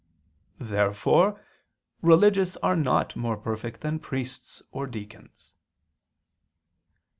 Therefore religious are not more perfect than priests or deacons.